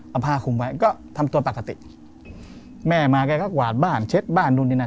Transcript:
เอาผ้าคุมไว้ก็ทำตัวปกติแม่มาแกก็กวาดบ้านเช็ดบ้านนู่นนี่นั่น